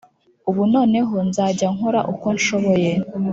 Ubu noneho nzajya nkora uko nshoboye